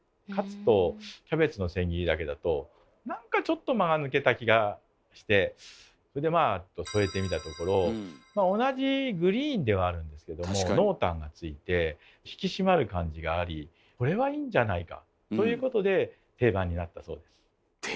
カツとキャベツの千切りだけだとなんかちょっと間が抜けた気がしてそれでまあ添えてみたところ同じグリーンではあるんですけども濃淡がついて引き締まる感じがありこれはいいんじゃないかということで定番になったそうです。